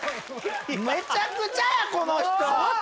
めちゃくちゃやこの人。